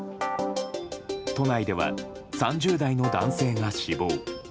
都内では、３０代の男性が死亡。